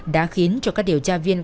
đã khiến cho các điều tra viên